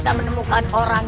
sampai jumpa lagi